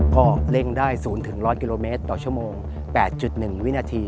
ก็เร่งได้๐๑๐๐กิโลเมตรต่อชั่วโมง๘๑วินาที